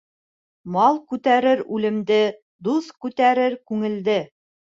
Мал күтәрер үлемде, дуҫ күтәрер күңелде.